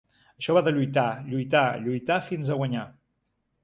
Això va de lluitar, lluitar, lluitar fins a guanyar.